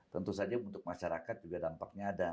tentu saja untuk masyarakat juga dampaknya ada